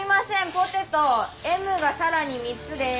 ポテトＭがさらに３つです。